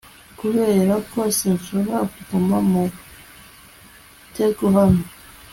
kuberako sinshobora kuguma mu mutego hano